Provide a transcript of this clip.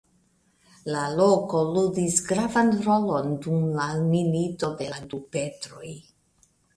La loko ludis gravan rolon dum la Milito de la du Petroj.